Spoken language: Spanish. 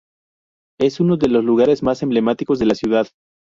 Es uno de los lugares más emblemáticos de la ciudad.